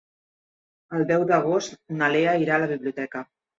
El deu d'agost na Lea irà a la biblioteca.